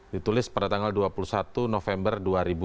ditulis pada tanggal dua puluh satu november dua ribu dua puluh